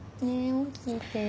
起きてよ。